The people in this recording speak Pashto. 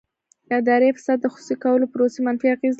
اداري فساد د خصوصي کولو پروسې منفي اغېز لري.